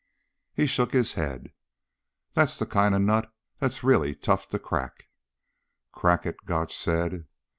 He shook his head. "That's the kind of nut that's really tough to crack." "Crack it," Gotch said.